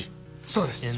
そうです